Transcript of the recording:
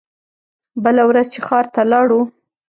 بله ورځ چې ښار ته لاړو.